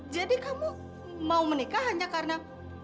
jadi kamu mau menikah hanya karena